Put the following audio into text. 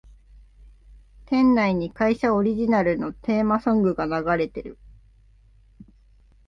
店内に会社オリジナルのテーマソングが流れてる